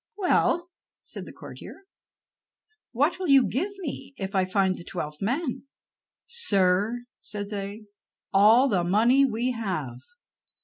"Well," said the courtier, "what will you give me if I find the twelfth man?" "Sir," said they, "all the money we have."